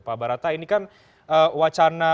pak barata ini kan wacana